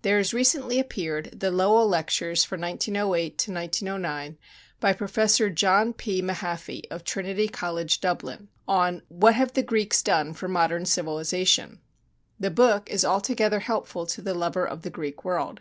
There has recently appeared The Lowell Lectures for 1908 9 by Professor John P. Mahaffy, of Trinity College, Dublin, on "What Have the Greeks Done for Modern Civilization." The book is altogether helpful to the lover of the Greek world.